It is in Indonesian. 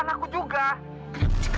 di antara tinggi gitu